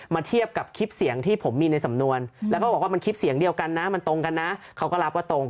เทียบกับคลิปเสียงที่ผมมีในสำนวนแล้วก็บอกว่ามันคลิปเสียงเดียวกันนะมันตรงกันนะเขาก็รับว่าตรง